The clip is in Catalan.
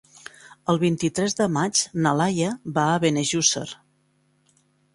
El vint-i-tres de maig na Laia va a Benejússer.